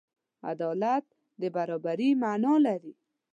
عدالت د برابري معنی لري.